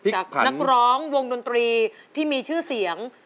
นักร้องวงดนตรีที่มีชื่อเสียง